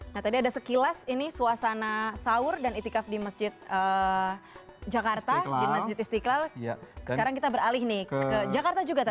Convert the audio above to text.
nah tadi ada sekilas ini suasana sahur dan etikaf di masjid istiqlal sekarang kita beralih nih ke jakarta juga tetap